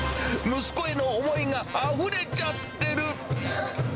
息子への思いがあふれちゃってる！